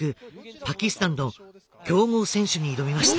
パキスタンの強豪選手に挑みました。